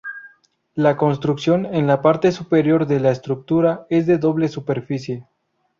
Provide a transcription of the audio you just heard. La construcción en la parte superior de la estructura es de doble superficie.